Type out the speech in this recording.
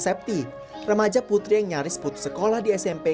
septi remaja putri yang nyaris putus sekolah di smp